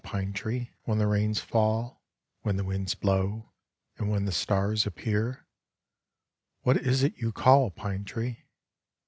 Pine tree, when the rains fall, when the winds blow, and when the stars appear, what is it you call. Pine tree?